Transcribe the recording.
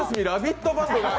「ラヴィット！」